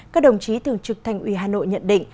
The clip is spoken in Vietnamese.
các đồng chí thường trực thành ủy hà nội nhận định